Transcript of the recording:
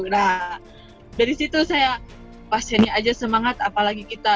nah dari situ saya pasiennya aja semangat apalagi kita